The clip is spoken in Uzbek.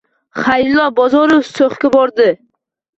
Xayrullo Bozorov So‘xga bordi